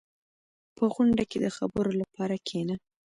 • په غونډه کې د خبرو لپاره کښېنه.